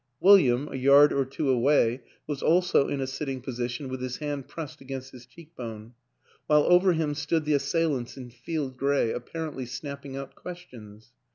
William, a yard or two away, was also in a sitting position with his hand pressed against his cheekbone; while over him stood the assailants in field gray, apparently snapping out questions.